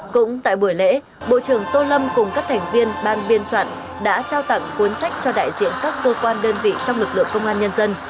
cũng tại buổi lễ bộ trưởng tô lâm cùng các thành viên ban biên soạn đã trao tặng cuốn sách cho đại diện các cơ quan đơn vị trong lực lượng công an nhân dân